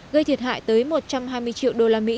gây thiệt hại tới một trăm hai mươi triệu đô la mỹ